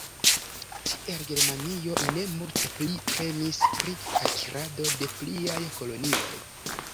Tiel Germanio ne multe pli premis pri akirado de pliaj kolonioj.